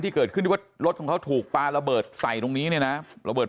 ที่เกิดขึ้นว่ารถของเขาถูกปลาระเบิดใส่ตรงนี้นะระเบิด